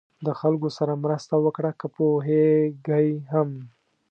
د خلکو سره مرسته وکړه که پوهېږئ هم.